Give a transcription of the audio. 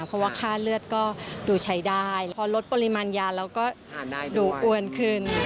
เพราะว่าค่าเลือดก็ดูใช้ได้พอลดปริมาณยาเราก็ดูอ้วนขึ้น